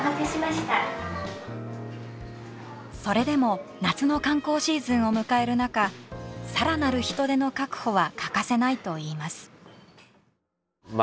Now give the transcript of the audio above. それでも夏の観光シーズンを迎える中更なる人手の確保は欠かせないといいます。